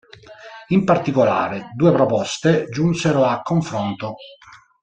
In particolare due proposte giunsero a confronto.